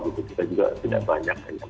kita juga tidak banyak